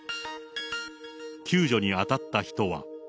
救助に当たった人は。